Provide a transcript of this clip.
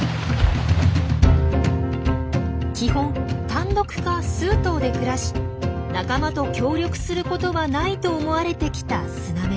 基本単独か数頭で暮らし仲間と協力することはないと思われてきたスナメリ。